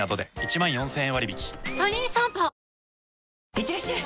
いってらっしゃい！